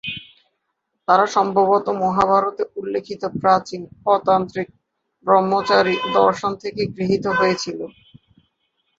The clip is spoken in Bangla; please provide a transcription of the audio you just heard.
তারা সম্ভবত মহাভারতে উল্লেখিত প্রাচীন, অ-তান্ত্রিক ব্রহ্মচারী দর্শন থেকে গৃহীত হয়েছিল।